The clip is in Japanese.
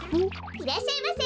いらっしゃいませ。